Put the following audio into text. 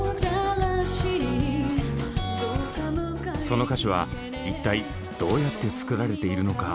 その歌詞は一体どうやって作られているのか？